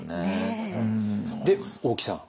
で大木さん。